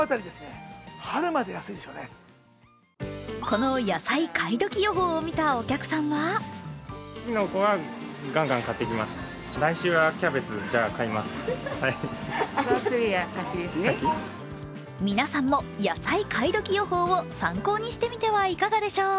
この“野菜買いドキ予報”を見たお客さんは皆さんも“野菜買いドキ予報”を参考にしてみてはいかがでしょう。